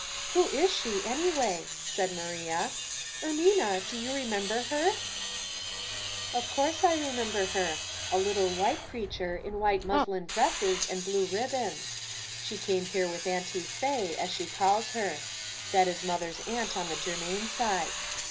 " Who is she, anyway ?" said Maria. " Er mina, do you remember her? "*' Of course I remember her — a little white creature, in white muslin dresses and blue rib bons. She came here with * Auntie Faye ' as she calls her that is mother's aunt on the germain side.